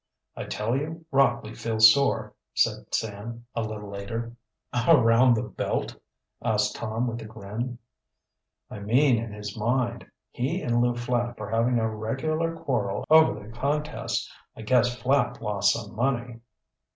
"I tell you, Rockley feels sore," said Sam, a little later. "Around the belt?" asked Tom with a grin. "I mean in his mind. He and Lew Flapp are having a regular quarrel over the contest. I guess Flapp lost some money."